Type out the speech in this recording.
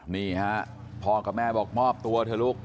นี่ฮะพ่อกับแม่บอกมอบตัวเถอะลูก